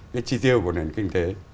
cái chi tiêu của nền kinh tế